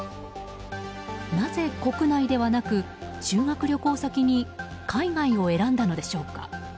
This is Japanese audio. なぜ、国内ではなく修学旅行先に海外を選んだのでしょうか。